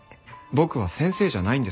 僕は先生じゃないんです。